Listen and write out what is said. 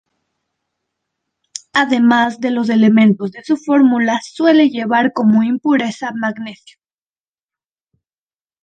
Además de los elementos de su fórmula, suele llevar como impureza magnesio.